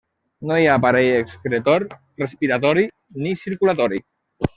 No hi ha aparell excretor, respiratori ni circulatori.